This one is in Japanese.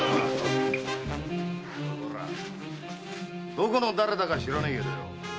どこの誰だか知らねえけどよ